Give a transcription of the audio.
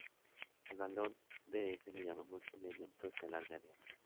Al valor dS lo llamamos "elemento escalar de área".